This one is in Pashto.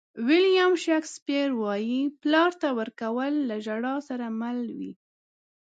ویلیام شکسپیر وایي پلار ته ورکول له ژړا سره مل وي.